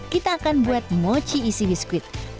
kita akan buat mochi isi biskuit